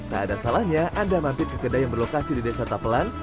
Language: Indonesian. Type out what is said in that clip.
tak ada salahnya anda mampir ke kedai yang berlokasi di desa tapelan